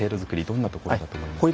どんなところだと思いますか？